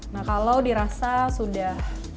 nah kalau dirasa sudah